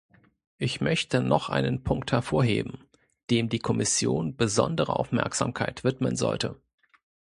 Ich möchte noch einen Punkt hervorheben, dem die Kommission besondere Aufmerksamkeit widmen sollte.